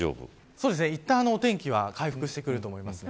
そうですね、いったんお天気は回復してくると思います。